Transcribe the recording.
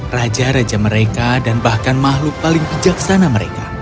raja raja mereka dan bahkan makhluk paling bijaksana mereka